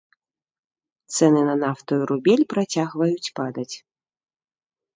Цэны на нафту і рубель працягваюць падаць.